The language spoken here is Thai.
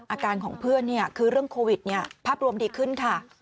อาการของเพื่อนเนี้ยคือเรื่องโควิดเนี้ยพับรวมดีขึ้นค่ะ